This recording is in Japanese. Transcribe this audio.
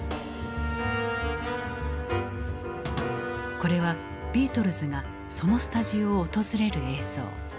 これはビートルズがそのスタジオを訪れる映像。